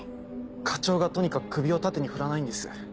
課長がとにかく首を縦に振らないんです。